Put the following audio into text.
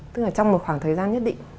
tức là trong một khoảng thời gian nhất định